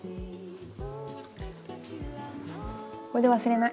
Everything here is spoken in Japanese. これで忘れない。